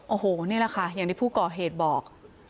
โอ้โหนี่แหละค่ะอย่างที่ผู้ก่อเหตุบอก